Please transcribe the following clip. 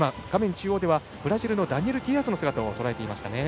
中央ではブラジルのダニエル・ディアスをとらえました。